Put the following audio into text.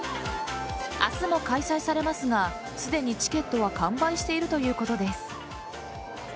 明日も開催されますがすでにチケットは完売しているということです。